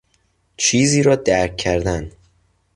چیزی را درک کردن